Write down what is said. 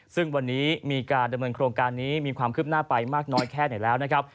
ซึ่งวันนี้มีการดำเนินโครงการนี้มีความคืบหน้าไปมากน้อยแค่ไหนแล้วนะครับ